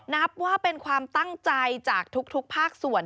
นับว่าเป็นความตั้งใจจากทุกภาคส่วน